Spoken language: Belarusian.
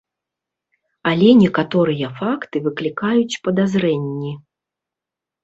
Але некаторыя факты выклікаюць падазрэнні.